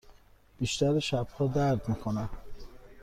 بیشتر شبها درد می کند.